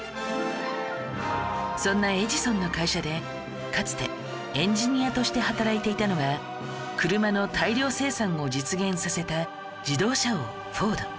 そんなエジソンの会社でかつてエンジニアとして働いていたのが車の大量生産を実現させた自動車王フォード